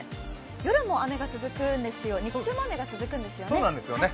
夜も雨が続くんですよ、日中モア雨が続くんですよね。